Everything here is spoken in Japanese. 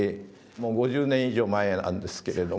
もう５０年以上前なんですけれども。